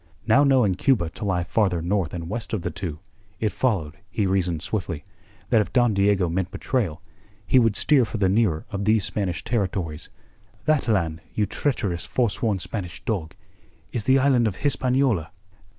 Now knowing Cuba to lie farther north and west of the two, it followed, he reasoned swiftly, that if Don Diego meant betrayal he would steer for the nearer of these Spanish territories. "That land, you treacherous, forsworn Spanish dog, is the island of Hispaniola."